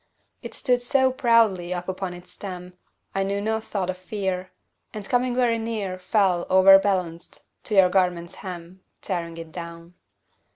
It stood so proudly up upon its stem, I knew no thought of fear, And coming very near Fell, overbalanced, to your garment's hem, Tearing it down.